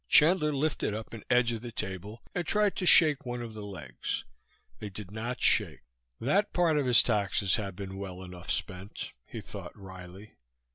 Chandler lifted up an edge of the table and tried to shake one of the legs. They did not shake; that part of his taxes had been well enough spent, he thought wryly.